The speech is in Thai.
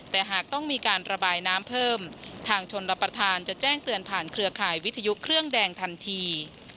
แต่หากต้องมีการระบายน้ำเพิ่มทางชนรับประทานจะแจ้งเตือนผ่านเครือข่ายวิทยุเครื่องแดงทันที